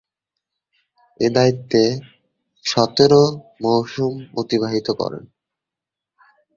এ দায়িত্বে সতেরো মৌসুম অতিবাহিত করেন।